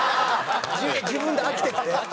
自分で飽きてきて？